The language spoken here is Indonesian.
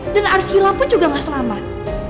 dan arsila pun juga gak selamat